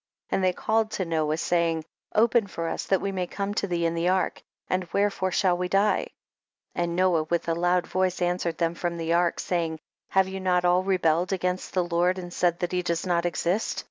18. And they ealled to Noah, say ing, open for us that we may come to thee in the ark — and wherefore shall we die ? 19. And Noah, with a loud voice, answered them from the ark, saying, have you not all rebelled against the Lord, and said that he does not exist